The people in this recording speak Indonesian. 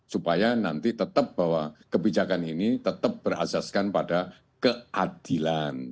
supaya nanti tetap bahwa kebijakan ini tetap berasaskan pada keadilan